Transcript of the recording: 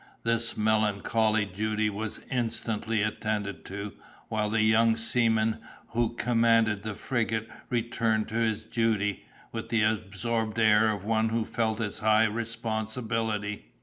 This melancholy duty was instantly attended to, while the young seaman who commanded the frigate returned to his duty, with the absorbed air of one who felt its high responsibility.